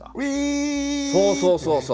そうそうそうそう。